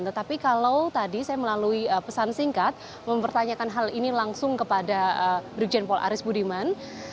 tetapi kalau tadi saya melalui pesan singkat mempertanyakan hal ini langsung kepada brigjen paul aris budiman